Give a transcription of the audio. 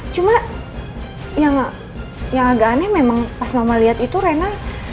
cuma yang agak aneh memang pas mama lihat itu rena